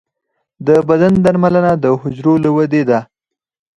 د بدن درملنه د حجرو له ودې ده.